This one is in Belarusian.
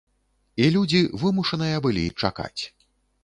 І людзі вымушаныя былі чакаць.